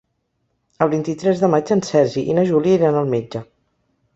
El vint-i-tres de maig en Sergi i na Júlia iran al metge.